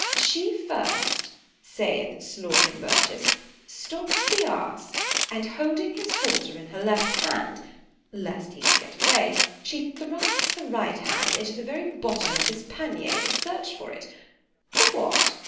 "She first, saith Slawkenbergius, stops the asse, and holding his halter in her left hand (lest he should get away) she thrusts her right hand into the very bottom of his pannier to search for it—For what?